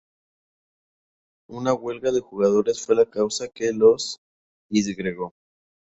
Una huelga de jugadores fue la causa que los disgregó.